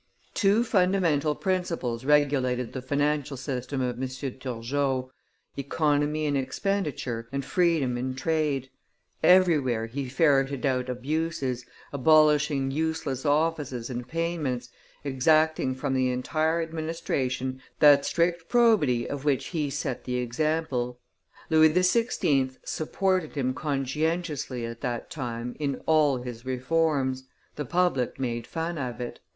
Two fundamental principles regulated the financial system of M. Turgot, economy in expenditure and freedom in trade; everywhere he ferreted out abuses, abolishing useless offices and payments, exacting from the entire administration that strict probity of which he set the example. Louis XVI. supported him conscientiously at that time in all his reforms; the public made fun of it.